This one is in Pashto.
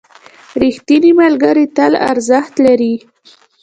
ریښتیني ملګري تل ارزښت لري.